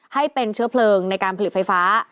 ให้เป็นเชื้อเพลิงในการผลิตไฟฟ้า